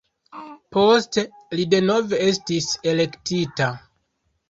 Poste li denove estis elektita.